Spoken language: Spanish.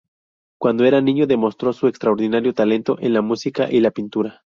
Cuando era niño, demostró su extraordinario talento en la música y la pintura.